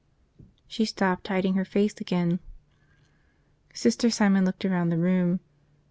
" She stopped, hiding her face again. Sister Simon looked around the room.